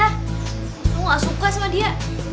aku ga suka sama dia